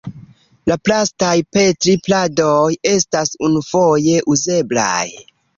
La plastaj Petri-pladoj estas unufoje uzeblaj.